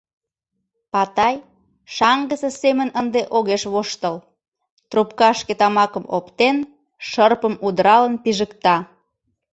Патай шаҥгысе семын ынде огеш воштыл, трупкашке тамакым оптен, шырпым удыралын пижыкта.